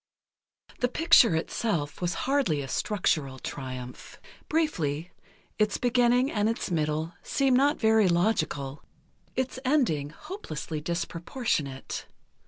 The picture itself was hardly a structural triumph. Briefly, its beginning and its middle seem not very logical, its ending hopelessly disproportionate.